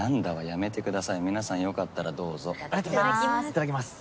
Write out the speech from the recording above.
いただきます。